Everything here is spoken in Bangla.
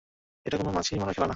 এটা কোন মাছি মারার খেলা না।